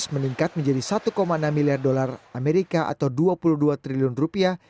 dua ribu enam belas meningkat menjadi satu enam miliar dolar amerika